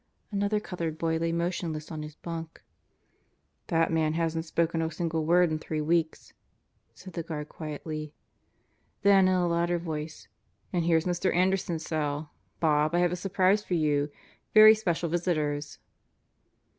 ... Another colored boy lay motionless on his bunk. "That man hasn't spoken a single word in three weeks," said the guard quietly. Then in a louder voice: "And here's Mr. Anderson's cell. ... Bob, I have a surpise for you. Very special visitors."